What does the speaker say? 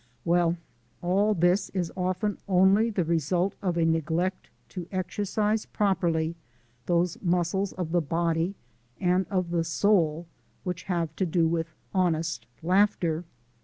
Well, all this is often only the result of a neglect to exercise properly those muscles of the body (and of the soul) which have to do with honest laughter.